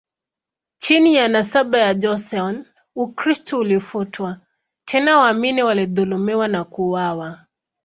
Chini ya nasaba ya Joseon, Ukristo ulifutwa, tena waamini walidhulumiwa na kuuawa.